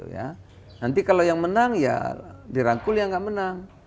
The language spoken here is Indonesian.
nanti kalau yang menang ya dirangkul yang enggak menang